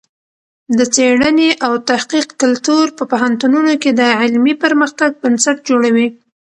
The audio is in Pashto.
د څېړنې او تحقیق کلتور په پوهنتونونو کې د علمي پرمختګ بنسټ جوړوي.